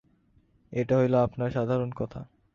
এইটা হইল আপনার সাধারণ কথা।